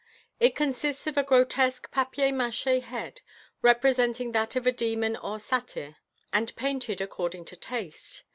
It consists of a grotesque papier mache head, representing that of a demon or satyr, and painted according to taste.